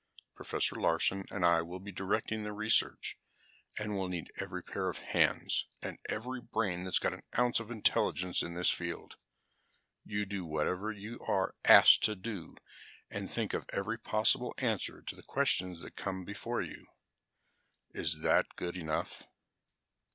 Professor Larsen and I will be directing the research, and we'll need every pair of hands and every brain that's got an ounce of intelligence in this field. You do whatever you are asked to do and think of every possible answer to the questions that come before you. Is that good enough?"